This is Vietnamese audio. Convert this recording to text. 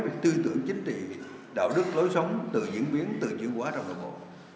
về tư tưởng chính trị đạo đức lối sống từ diễn biến từ chuyển hóa trong đồng hồ